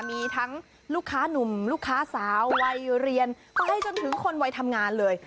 มีทั้งลูกค้านุ่มลูกค้าสาววัยเรียนไปจนถึงคนวัยทำงานเลย